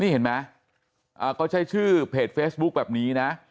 นี่เห็นไหมเขาใช้ชื่อเพจเฟซบุ๊คแบบนี้นะ